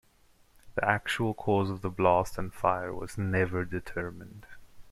The actual cause of the blast and fire was never determined.